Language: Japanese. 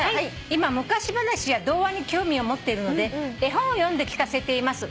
「今昔話や童話に興味を持っているので絵本を読んで聞かせています」